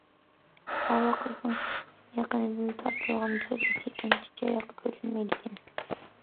ئاۋۇ قىزنىڭ يېقىندىن تارتىلغان سۈرئىتى ئانچە چىرايلىق كۆرۈنمەيدىكەن.